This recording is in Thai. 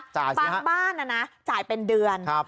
ใช่ค่ะบางบ้านอะนะจ่ายเป็นเดือนครับ